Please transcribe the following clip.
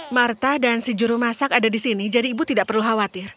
marta dan si juru masak ada di sini jadi ibu tidak perlu khawatir